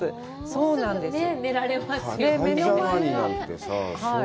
そうなんです。